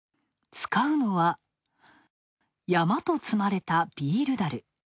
使うのは、山と積まれたビール樽。